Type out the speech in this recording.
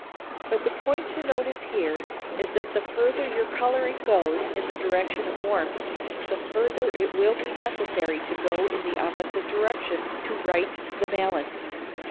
But the point to notice here is that the further your colouring goes in the direction of warmth, the further it will be necessary to go in the opposite direction, to right the balance.